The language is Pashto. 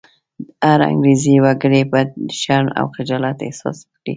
هر انګرېز وګړی به د شرم او خجالت احساس وکړي.